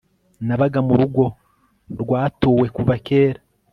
nabaga mu rugo rwatuwe kuva kera